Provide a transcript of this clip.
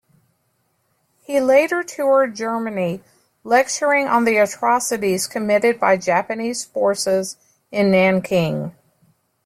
He later toured Germany lecturing on the atrocities committed by Japanese forces in Nanking.